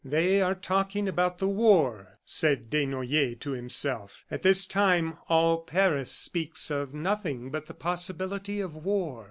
"They are talking about the war," said Desnoyers to himself. "At this time, all Paris speaks of nothing but the possibility of war."